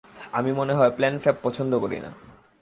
আমি মনে হয় প্যান-ফ্ল্যাপ পছন্দ করি না।